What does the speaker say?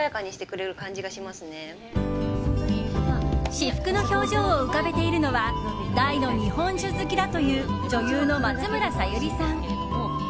至福の表情を浮かべているのは大の日本酒好きだという女優の松村沙友理さん。